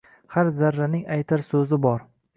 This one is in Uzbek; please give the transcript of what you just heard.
Har zarraning aytar soʼzi bor